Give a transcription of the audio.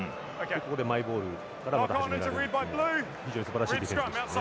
マイボールから始められる非常にすばらしいディフェンスでした。